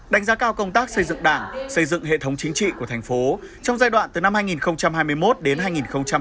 đánh giá cao công tác xây dựng đảng xây dựng hệ thống chính trị của thành phố trong giai đoạn từ năm hai nghìn hai mươi một đến hai nghìn hai mươi năm